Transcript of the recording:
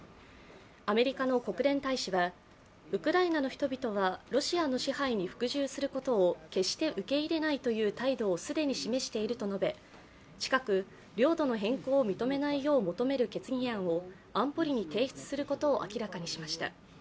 アメリカの国連大使はウクライナの人々はロシアの支配に服従することを決して受け入れないという態度を既に示していると述べ、近く、領土の変更を認めないよう、求める決議案を安保理に提出することを明らかにしました。